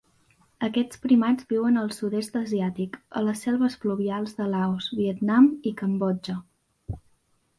Aquests primats viuen al sud-est asiàtic, a les selves pluvials de Laos, Vietnam i Cambodja.